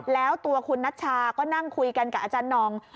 แล้วตัวคุณนัตชาก็นั่งคุยกันกับอน